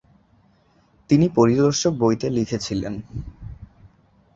তিনি পরিদর্শক বইতে লিখেছিলেন